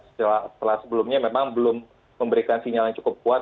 setelah sebelumnya memang belum memberikan sinyal yang cukup kuat